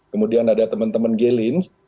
kemudian ada teman teman gelins